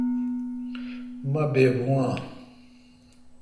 مہبےبوں آں؟